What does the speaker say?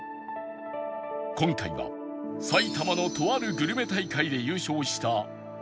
今回は埼玉のとあるグルメ大会で優勝した行列グルメ